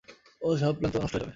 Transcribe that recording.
ওহ, সব প্ল্যান তো নষ্ট হয়ে যাবে।